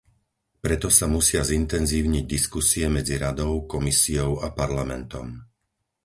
Preto sa musia zintenzívniť diskusie medzi Radou, Komisiou a Parlamentom.